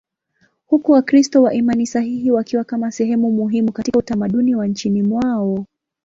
huku Wakristo wa imani sahihi wakiwa kama sehemu muhimu katika utamaduni wa nchini mwao.